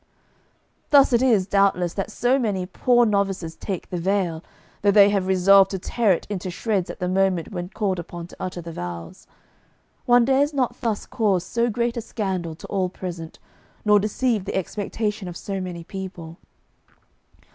Thus it is, doubtless, that so many poor novices take the veil, though they have resolved to tear it into shreds at the moment when called upon to utter the vows. One dares not thus cause so great a scandal to all present, nor deceive the expectation of so many people.